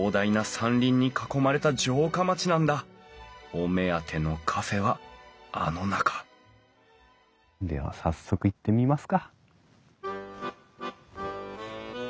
お目当てのカフェはあの中では早速行ってみますか。